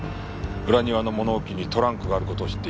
裏庭の物置にトランクがある事を知っていた。